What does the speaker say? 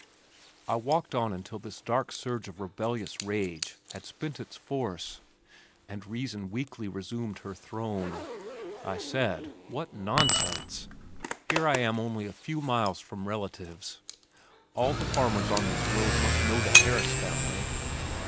I walked on until this dark surge of rebellious rage had spent its force and reason weakly resumed her throne. I said, "What nonsense! Here I am only a few miles from relatives. All the farmers on this road must know the Harris family.